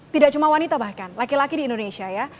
tidak cuma wanita bahkan laki laki di indonesia ya